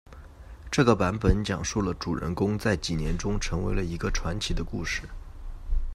这个版本讲述了主人公在几年中成为了一个传奇的故事。